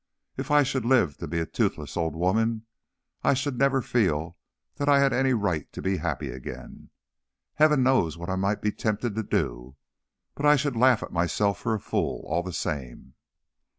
If I should live to be a toothless old woman, I should never feel that I had any right to be happy again. Heaven knows what I might be tempted to do, but I should laugh at myself for a fool, all the same."